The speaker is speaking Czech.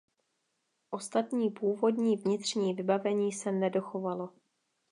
Ostatní původní vnitřní vybavení se nedochovalo.